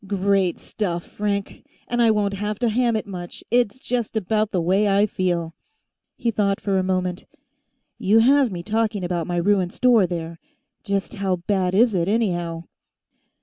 "Great stuff, Frank! And I won't have to ham it much; it's just about the way I feel." He thought for a moment. "You have me talking about my ruined store, there. Just how bad is it, anyhow?"